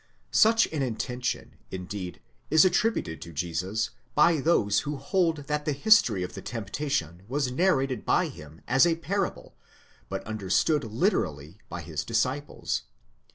Such an intention, indeed, is attributed to Jesus by those who hold that the history of the temptation was narrated by him as a parable, but understood literally by his disciples.